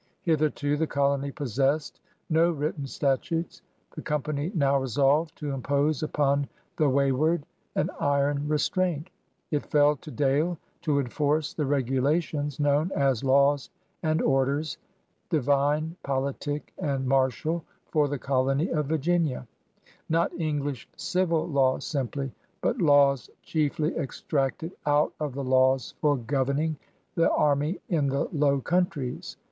Hitherto the colony possessed no written statutes. The Company now resolved to impose upon the wayward an iron restraint. It fell to Dale to enforce the r^ulations known as ^'Lawes and Orders, dyvine, politique, and mar tiall for the Colonye of Virginia'* — not English civil law simply, but laws '* chiefly extracted out of the Lawes for gov^ningthe army in the Low Countreys.